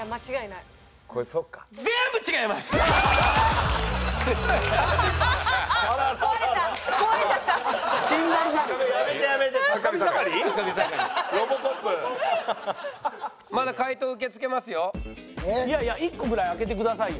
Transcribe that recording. いやいや１個ぐらい開けてくださいよ。